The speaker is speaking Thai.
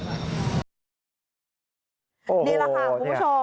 โอ้โหนี่ล่ะค่ะคุณผู้ชม